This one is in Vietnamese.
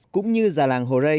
cũng như già làng hồ rây